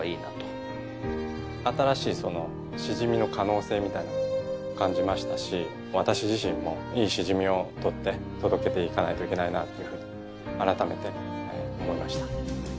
新しいしじみの可能性みたいに感じましたし私自身もいいしじみを取って届けていかないといけないなというふうに改めて思いました。